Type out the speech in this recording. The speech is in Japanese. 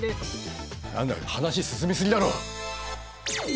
何だよ話進み過ぎだろ。